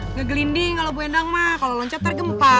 nggak gelinding kalau bu endang ma kalau loncat tar gempa